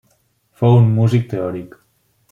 Fou un músic teòric.